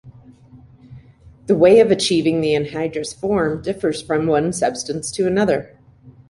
The way of achieving the anhydrous form differs from one substance to another.